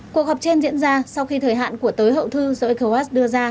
cuộc họp trên diễn ra sau khi thời hạn của tối hậu thư do ecowas đưa ra